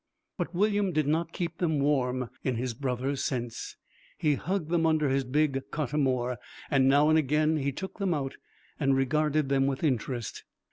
But William did not keep them warm in his brother's sense. He hugged them under his big cotamor, and now and again he took them out and regarded them with interest.